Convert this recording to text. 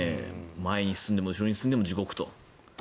前に進んでも後ろに進んでも地獄と。